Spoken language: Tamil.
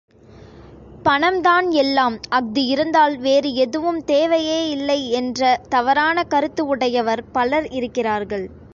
பணம்தான் எல்லாம் அஃது இருந்தால் வேறு எதுவும் தேவையே இல்லை என்ற தவறான கருத்து உடையவர் பலர் இருக்கிறார்கள்.